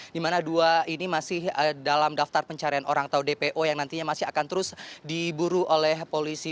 di mana dua ini masih dalam daftar pencarian orang atau dpo yang nantinya masih akan terus diburu oleh polisi